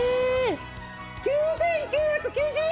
９９９０円！